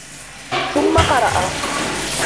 ثُمَّ قَرَأَ